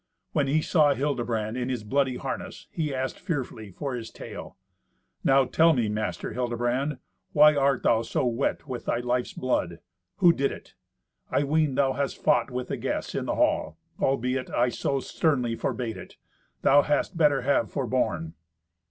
When he saw Hildebrand in his bloody harness, he asked fearfully for his tale. "Now tell me, Master Hildebrand, why thou art so wet with thy life's blood? Who did it? I ween thou hast fought with the guests in the hall, albeit I so sternly forbade it. Thou hadst better have forborne."